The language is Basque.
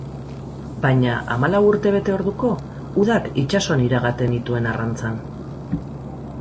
Baina hamalau urte bete orduko, udak itsasoan iragaten nituen, arrantzan.